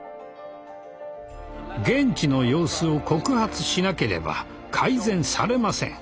現地の様子を告発しなければ改善されません。